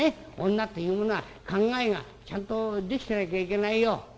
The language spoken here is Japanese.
女というものは考えがちゃんとできてなきゃいけないよ。